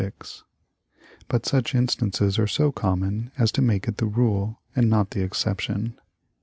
But such instances are so common as to make it the rule, and not the exception.